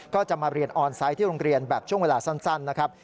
ก็จะมาเรียนออนไซต์ที่โรงเรียนแบบช่วงเวลาสั้นนะครับ